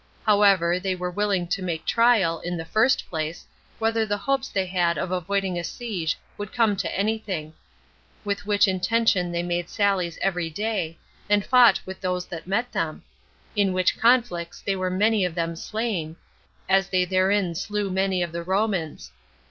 However, they were willing to make trial, in the first place, whether the hopes they had of avoiding a siege would come to any thing; with which intention they made sallies every day, and fought with those that met them; in which conflicts they were many of them slain, as they therein slew many of the Romans.